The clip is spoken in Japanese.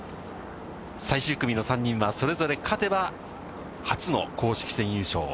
最終組の３人はそれぞれ勝てば、初の公式戦優勝。